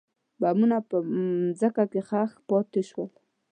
بمونه په ځمکه کې ښخ پاتې شول.